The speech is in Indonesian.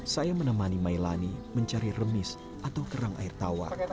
saya menemani mailani mencari remis atau kerang air tawa